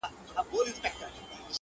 له دې سببه تاریکه ستایمه,